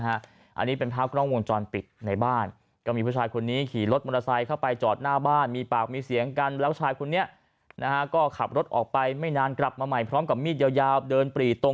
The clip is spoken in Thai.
คุณมาแล้วนะฮะอันนี้เป็นภาพกรองทรวงจรปิดในบ้านที่พอนี้ขี่รถมอเตอร์ไซค์เข้าไปจอดหน้าบ้านมีปากมีเสียงกันแล้วชายคนนี้ก็ขับรถออกไปไม่นานกลับมาใหม่พร้อมกับมีเดี๋ยวเดินปรี๋ย์ตรง